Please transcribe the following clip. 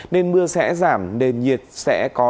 nên mưa sẽ giảm nền nhiệt sẽ có